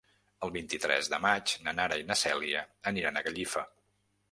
El vint-i-tres de maig na Nara i na Cèlia aniran a Gallifa.